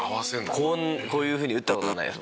こういうふうに打った事がないです